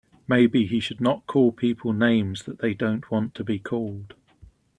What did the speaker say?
Maybe he should not call people names that they don't want to be called.